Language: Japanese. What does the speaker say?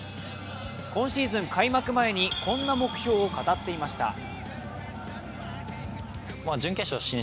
今シーズン開幕前にこんな目標を語っていました。